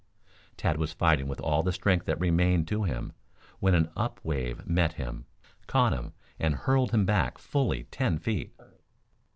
Tad was fighting with all the strength that remained to him when an up wave met him, caught him and hurled him back fully ten feet.